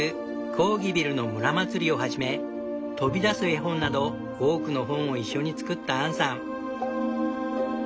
「コーギビルの村まつり」をはじめ飛び出す絵本など多くの本を一緒に作ったアンさん。